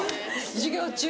授業中。